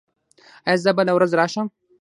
ایا زه بله ورځ راشم؟